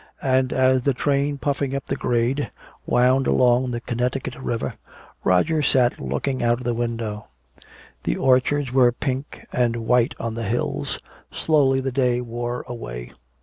And as the train puffing up the grade wound along the Connecticut River, Roger sat looking out of the window. The orchards were pink and white on the hills. Slowly the day wore away.